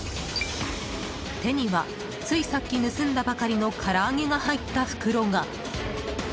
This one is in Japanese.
手にはついさっき盗んだばかりのから揚げが入った袋が。